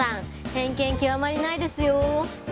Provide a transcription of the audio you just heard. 偏見極まりないですよ。